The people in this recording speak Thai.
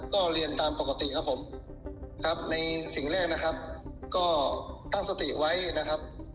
ก็เรียนตามปกติครับผมครับในสิ่งแรกนะครับก็ตั้งสติไว้นะครับ